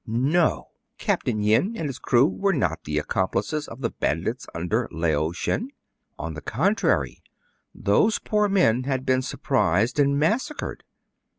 No! Capt. Yin and his crew were not the accomplices of the bandits under Lao Shen. On the contrary, those poor men had been surprised and massacred.